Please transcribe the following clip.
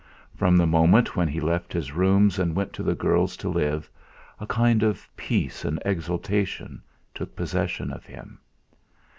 From the moment when he left his rooms and went to the girl's to live, a kind of peace and exaltation took possession of him.